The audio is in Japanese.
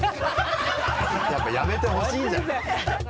やめてほしいんじゃない。